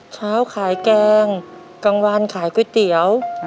ขายแกงกลางวันขายก๋วยเตี๋ยว